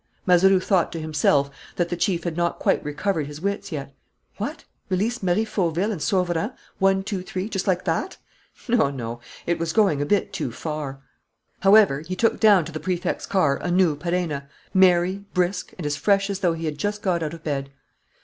Mazeroux thought to himself that the chief had not quite recovered his wits yet. What? Release Marie Fauville and Sauverand, one, two, three, just like that! No, no, it was going a bit too far. However, he took down to the Prefect's car a new Perenna, merry, brisk, and as fresh as though he had just got out of bed.